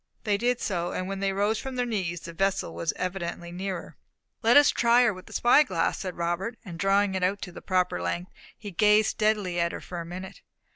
They did so; and when they rose from their knees the vessel was evidently nearer. "Let us try her with the spy glass," said Robert, and drawing it out to its proper length, he gazed steadily at her for a minute.